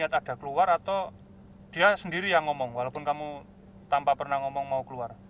lihat ada keluar atau dia sendiri yang ngomong walaupun kamu tanpa pernah ngomong mau keluar